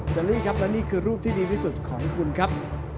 อรี่ครับและนี่คือรูปที่ดีที่สุดของคุณครับ